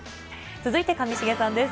続いて上重さんです。